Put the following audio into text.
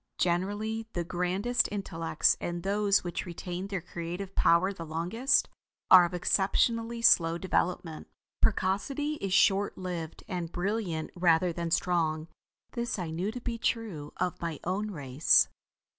Generally the grandest intellects and those which retain their creative power the longest, are of exceptionally slow development. Precocity is short lived, and brilliant rather than strong. This I knew to be true of my own race.